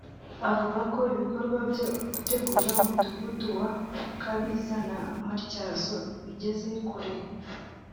avuga ko ibikorwa byo gutegura umudugudu wa Kabiza na Matyazo bigeze kure